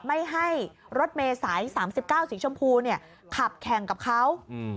ไม่ให้รถเมษาย๓๙สีชมพูเนี่ยขับแข่งกับเขา